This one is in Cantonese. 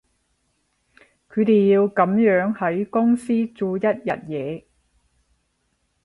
佢哋要噉樣喺公司做一日嘢